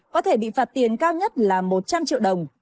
có thể bị phạt tiền cao nhất là một trăm linh triệu đồng